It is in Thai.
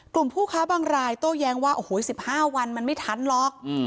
กลุ่มผู้ค้าบางรายโตแย้งว่า๑๕วันมันไม่ทันหรอก